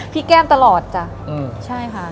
แก้มตลอดจ้ะใช่ค่ะ